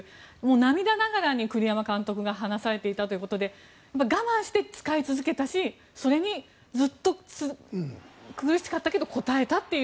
涙ながらに栗山監督が話されていたということで我慢して使い続けたしそれにずっと苦しかったけど応えたという。